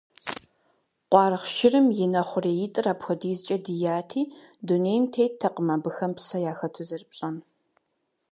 Къуаргъ шырым и нэ хъуреитӀыр апхуэдизкӀэ дияти, дунейм теттэкъым абыхэм псэ яхэту зэрыпщӀэн.